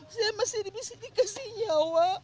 saya masih di sini kasih nyawa